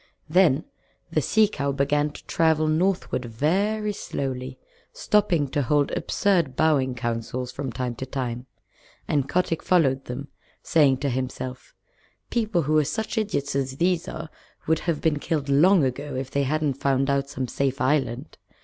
Then the Sea Cow began to travel northward very slowly, stopping to hold absurd bowing councils from time to time, and Kotick followed them, saying to himself, "People who are such idiots as these are would have been killed long ago if they hadn't found out some safe island.